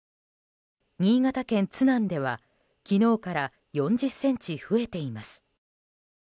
新潟県津南では昨日から４０ｃｍ増えています。